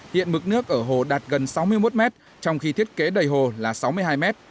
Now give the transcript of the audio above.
hiện mực nước ở hồ đạt gần sáu mươi một m trong khi thiết kế đầy hồ là sáu mươi hai m